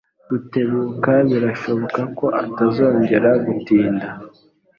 Rutebuka birashoboka ko atazongera gutinda.